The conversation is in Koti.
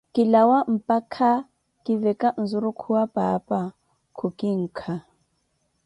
Kilawa mpakha kiveka nzurukhu wa paapa, khukinkha.